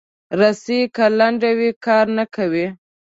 رسۍ که لنډه وي، کار نه کوي.